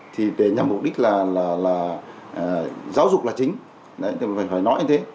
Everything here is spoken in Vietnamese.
thì để nhằm mục đích là giáo dục là chính phải nói như thế